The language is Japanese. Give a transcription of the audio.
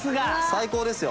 最高ですよ。